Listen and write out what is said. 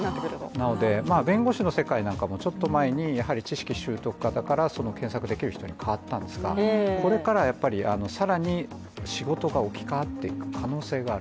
なので、弁護士の世界なんかもちょっと前に知識習得型から検索できる人に変わったんですがこれからは更に仕事が置き換わっていく可能性がある。